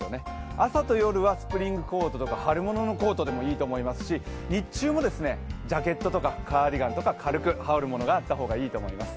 朝と夜はスプリングコートとか春物コートでもいいと思いますし日中もジャケットとかカーディガンとか軽く羽織れるものがあった方がいいと思います。